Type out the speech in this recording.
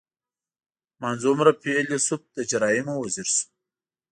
• منځ عمره فېلېسوف د جرایمو وزیر شو.